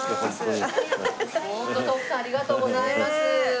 ホント徳さんありがとうございます。